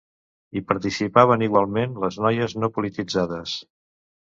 Hi participaven igualment les noies no polititzades.